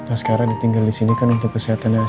asgara ditinggal disini kan untuk kesehatannya asgara